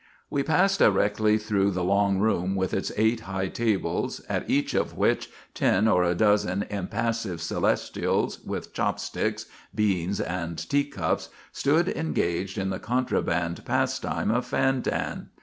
We passed directly through the long room with its eight high tables, at each of which ten or a dozen impassive Celestials, with chopsticks, beans, and teacups, stood engaged in the contraband pastime of fantan.